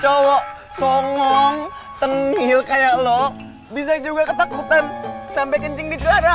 cowok songong tengil kayak lo bisa juga ketakutan sampai kencing di celana